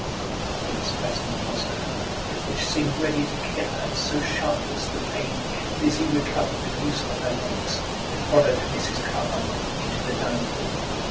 With a horrid spasm across her heart, which seemed ready to kill her, so sharp was the pain, Lizzie recovered the use of her legs and followed Mrs. Carbuncle into the dining room.